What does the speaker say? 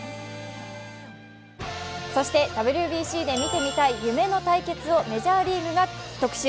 そしてＷＢＣで見てみたい夢の対決をメジャーリーグが特集。